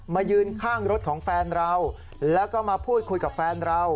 ยืนข้างรถของแฟนเราแล้วก็มาพูดคุยกับแฟนเรา